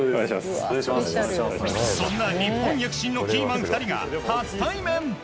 そんな日本躍進のキーマン２人が初対面。